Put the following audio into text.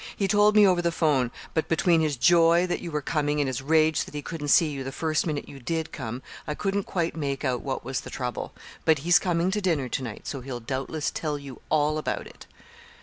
He told me over the telephone; but between his joy that you were coming, and his rage that he couldn't see you the first minute you did come, I couldn't quite make out what was the trouble. But he's coming to dinner to night, so he'll doubtless tell you all about it."